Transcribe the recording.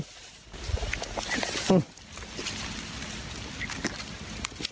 หึ่ม